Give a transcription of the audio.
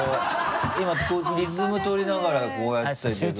今リズム取りながらこうやってたけど。